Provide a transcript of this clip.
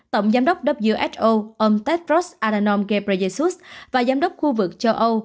tổng giám đốc who ông tedros adhanom ghebreyesus và giám đốc khu vực châu âu